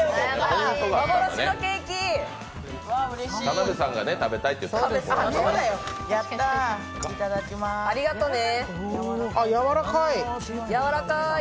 田辺さんが食べいって言ったからね。